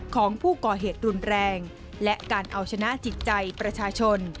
ของผู้ก่อเหตุรุนแรงและการเอาชนะจิตใจประชาชน